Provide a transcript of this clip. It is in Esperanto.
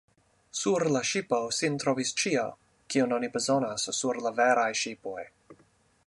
Sur la ŝipo sin trovis ĉio, kion oni bezonas sur la veraj ŝipoj.